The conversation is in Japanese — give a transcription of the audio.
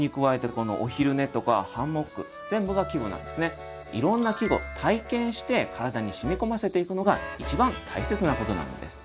それに加えてこのいろんな季語体験して体に染み込ませていくのが一番大切なことなんです。